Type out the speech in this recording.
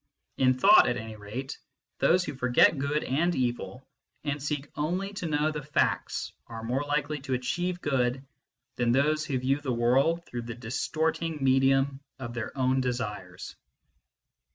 In thought, at any rate, those who forget good and evil and seek only to know the facts are more likely to achieve good than those who view the world through the distorting medium of their own desires.